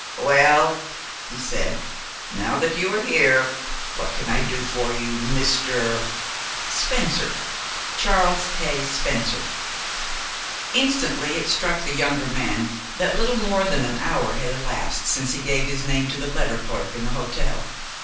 "Well," he said, "now that you are here, what can I do for you, Mr. " "Spencer Charles K. Spencer." Instantly it struck the younger man that little more than an hour had elapsed since he gave his name to the letter clerk in the hotel.